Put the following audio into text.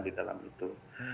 di dalam itu